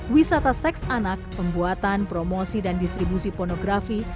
wisata seks anak pembuatan promosi dan distribusi pornografi